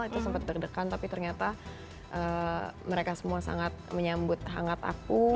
itu sempat deg degan tapi ternyata mereka semua sangat menyambut hangat aku